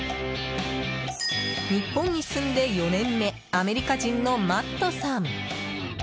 日本に住んで４年目アメリカ人のマットさん。